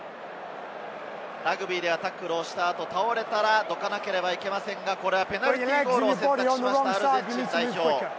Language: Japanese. ラグビーではタックルをした後、倒れたら、どかなければいけませんが、ペナルティーゴールを選択しました、アルゼンチン代表。